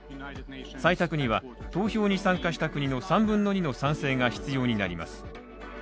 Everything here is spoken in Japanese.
採択には、投票に参加した国の３分の２の賛成が必要になります。